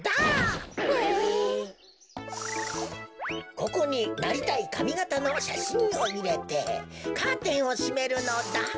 ここになりたいかみがたのしゃしんをいれてカーテンをしめるのだ。